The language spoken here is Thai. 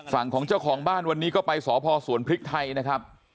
ฝั่งของเจ้าของบ้านวันนี้ก็ไปสพสวนพริกไทยนะครับ